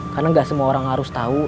karena nggak semua orang harus tahu